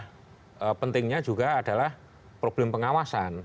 mungkin yang tidak kalah pentingnya juga adalah problem pengawasan